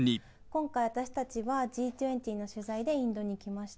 今回、私たちはＧ２０の取材でインドに来ました。